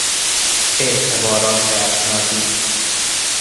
اعتبارات اسنادی